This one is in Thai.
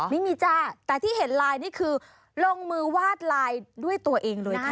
ไม่มีจ้าแต่ที่เห็นไลน์นี่คือลงมือวาดไลน์ด้วยตัวเองเลยค่ะ